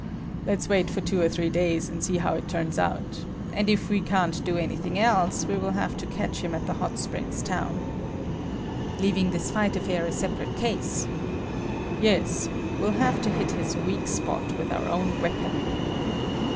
"Let's wait for two or three days and see how it turns out. And if we can't do anything else, we will have to catch him at the hot springs town." "Leaving this fight affair a separate case?" "Yes. We'll have to his hit weak spot with our own weapon."